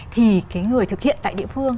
thì cái người thực hiện tại địa phương